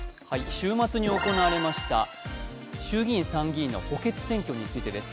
週末に行われました、衆議院、参議院の補欠選挙についてです。